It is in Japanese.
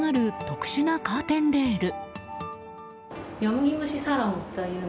特殊なカーテンレール。